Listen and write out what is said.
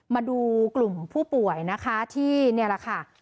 มาดูกลุ่มผู้ป่วยนะคะที่นี่แหละค่ะ